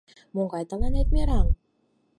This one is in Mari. — Могай тыланет мераҥ!